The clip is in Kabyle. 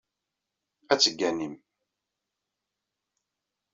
Ad tegganim.